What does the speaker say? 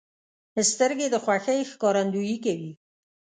سترګې د خوښۍ ښکارندویي کوي